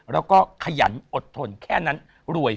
แล้วก็ขยันอดทนแค่นั้นรวย